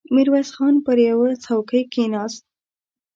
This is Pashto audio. ميرويس خان پر يوه څوکۍ کېناست.